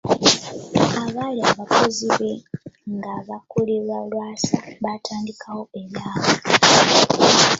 Abaali abakozi be nga bakulirwa Lwasa batandikawo ebyabwe